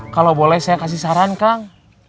kalau boleh saya kasih saran kang